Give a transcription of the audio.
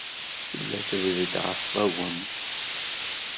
Tella tebded ɣef wagens.